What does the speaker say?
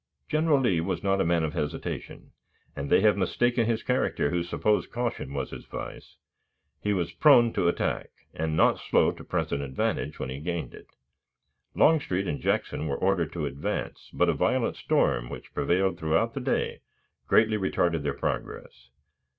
General Lee was not a man of hesitation, and they have mistaken his character who suppose caution was his vice. He was prone to attack, and not slow to press an advantage when he gained it. Longstreet and Jackson were ordered to advance, but a violent storm which prevailed throughout the day greatly retarded their progress.